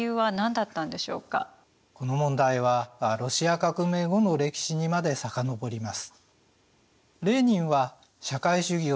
この問題はロシア革命後の歴史にまで遡ります。